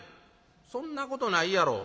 「そんなことないやろ。